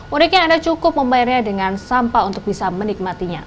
uniknya anda cukup membayarnya dengan sampah untuk bisa menikmatinya